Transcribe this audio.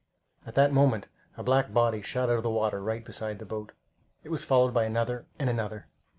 At that moment a black body shot out of the water right beside the boat. It was followed by another and another.